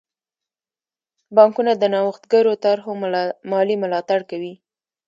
بانکونه د نوښتګرو طرحو مالي ملاتړ کوي.